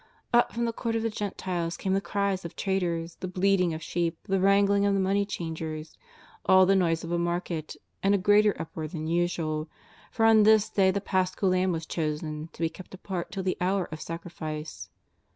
Up from the Court of the Gentiles came the cries of traders, the bleating of sheep, the wrangling of the money changers — all the noise of a market, and a greater uproar than usual, for on this day the Paschal lamb was chosen, to be kept apart till the hour of sac rifice.